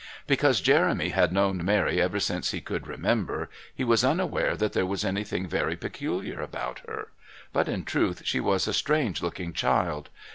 Because Jeremy had known Mary ever since he could remember, he was unaware that there was anything very peculiar about her. But in truth she was a strange looking child.